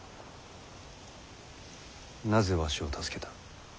なぜわしを助けた？